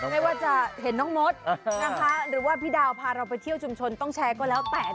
ไม่ว่าจะเห็นน้องมดนะคะหรือว่าพี่ดาวพาเราไปเที่ยวชุมชนต้องแชร์ก็แล้วแต่